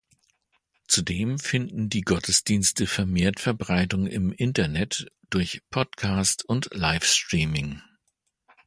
Zudem finden die Gottesdienste vermehrt Verbreitung im Internet durch Podcast und Livestreaming.